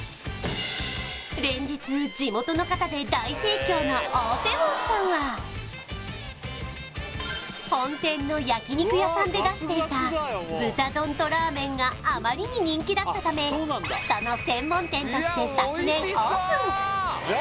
連日地元の方で大盛況の大手門さんは本店の焼肉屋さんで出していた豚丼とラーメンがあまりに人気だったためその専門店として昨年オープン